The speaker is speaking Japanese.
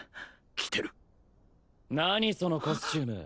来てる何そのコスチューム